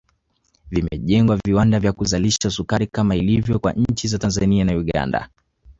Vimejengwa viwanda vya kuzalisha sukari kama ilivyo kwa nchi za Tanzania na Uganda